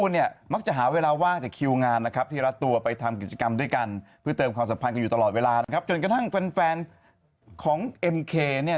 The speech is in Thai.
เอ้าช่วงหน้านะครับหมากคิมหวานจับใจ